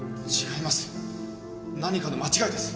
違います。